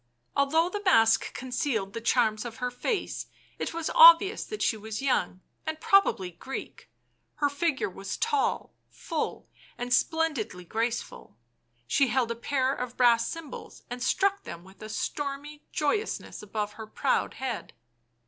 * Although the mask concealed the charms of her face, it was o.bvious that she was young, and probably Greek ; her figure was tall, full, and splendidly graceful ; she held a pair of brass cymbals and struck them with a stormy joy ousness above her proud head.